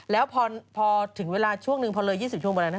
แล้วพอถึงเวลาช่วงหนึ่งพอเลย๒๐ชั่วโมงบอกแล้วนะ